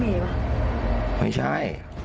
ไม่ใช่